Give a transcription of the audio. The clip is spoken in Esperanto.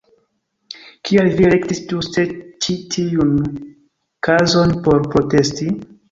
Kial vi elektis ĝuste ĉi tiun kazon por protesti?